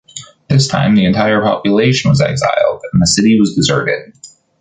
This time the entire population was exiled, and the city was deserted.